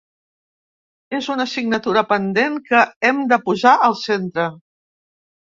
És una assignatura pendent que hem de posar al centre.